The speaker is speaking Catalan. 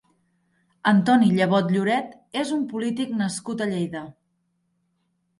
Antoni Llevot Lloret és un polític nascut a Lleida.